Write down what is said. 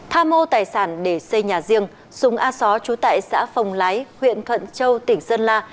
tha mô tài sản để xây nhà riêng súng a xó trú tại xã phòng lái huyện thuận châu tỉnh sơn la